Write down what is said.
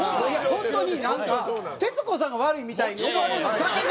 ホントになんか徹子さんが悪いみたいに思われるのだけが。